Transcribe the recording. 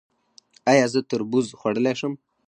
ایا زه تربوز خوړلی شم؟